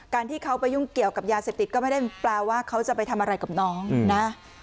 ที่เขาไปยุ่งเกี่ยวกับยาเสพติดก็ไม่ได้แปลว่าเขาจะไปทำอะไรกับน้องนะ